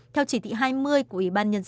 thì em phải về em lấy